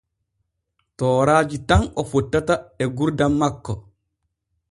Tooraaji tan o fottata e gurdam makko.